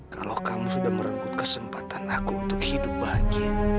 kalau kamu sudah merenggut kesempatan aku untuk hidup bahagia